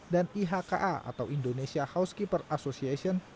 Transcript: dan ihka atau indonesia housekeeper association